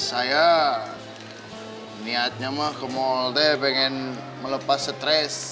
saya niatnya mah ke mall deh pengen melepas stres